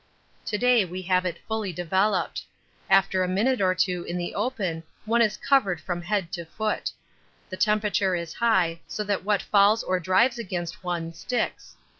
To day we have it fully developed. After a minute or two in the open one is covered from head to foot. The temperature is high, so that what falls or drives against one sticks.